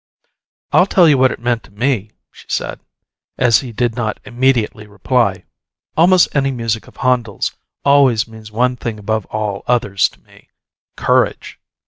"I'll tell you what it meant to me," she said, as he did not immediately reply. "Almost any music of Handel's always means one thing above all others to me: courage!